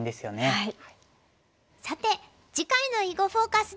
はい。